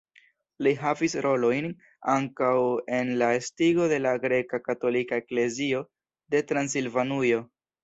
Li havis rolojn ankaŭ en la estigo de la greka katolika eklezio de Transilvanujo.